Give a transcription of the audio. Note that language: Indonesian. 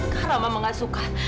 karena mama gak suka